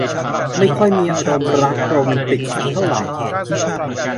ไม่ค่อยมีอารมณ์รักโรแมนติกสักเท่าไหร่มัก